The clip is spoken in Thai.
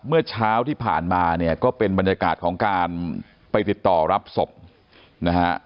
เมื่อเช้าที่ผ่านมาเนี่ยก็เป็นบรรยากาศของการไปติดต่อรับศพนะฮะ